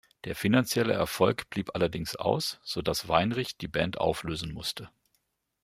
Der finanzielle Erfolg blieb allerdings aus, so dass Weinrich die Band auflösen musste.